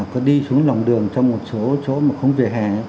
có đi xuống lòng đường trong một số chỗ mà không vỉa hè